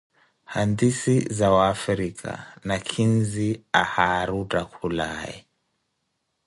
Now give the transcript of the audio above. Hantisi zaWafrika: Nakhinzi ahari ottakhulaye.